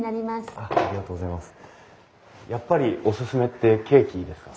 やっぱりオススメってケーキですか？